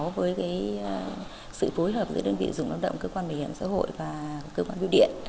với sự phối hợp giữa đơn vị dùng lao động cơ quan bảo hiểm xã hội và cơ quan bưu điện